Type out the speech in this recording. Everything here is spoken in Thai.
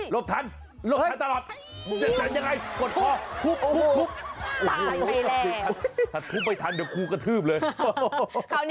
รบทันรบทันตลอด